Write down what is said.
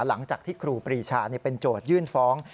หลังจากที่ครูปรีชาเป็นโจทยื่นฟ้อง